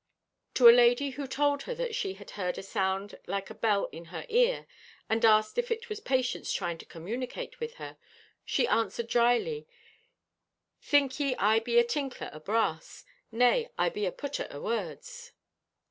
To a lady who told her that she had heard a sound like a bell in her ear, and asked if it was Patience trying to communicate with her, she answered dryly: "Think ye I be a tinkler o' brass? Nay. I be a putter o' words."